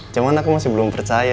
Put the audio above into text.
cuma aku masih belum percaya